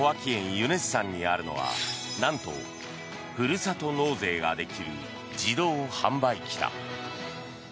ユネッサンにあるのはなんとふるさと納税ができる自動販売機だ。